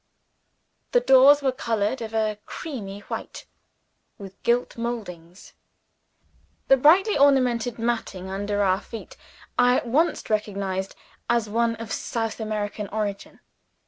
The doors were colored of a creamy white, with gilt moldings. The brightly ornamented matting under our feet I at once recognized as of South American origin.